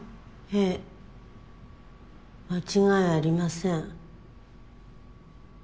ええ間違いありません。